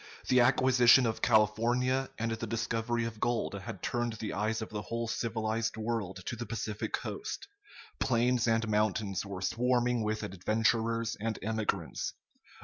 The acquisition of California and the discovery of gold had turned the eyes of the whole civilized world to the Pacific coast. Plains and mountains were swarming with adventurers and emigrants.